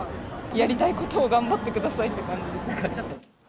やりたいことを頑張ってくださいって感じです。